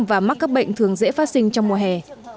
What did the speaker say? và mắc các bệnh thường dễ phát sinh trong mùa hè